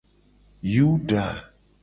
Yuda.